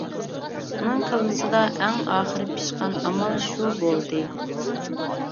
ئۇنىڭ كاللىسىدا ئەڭ ئاخىرى پىشقان ئامال شۇ بولدى.